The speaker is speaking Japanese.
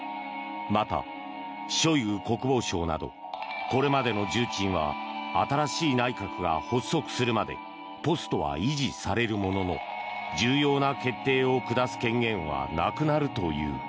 また、ショイグ国防相などこれまでの重鎮は新しい内閣が発足するまでポストは維持されるものの重要な決定を下す権限はなくなるという。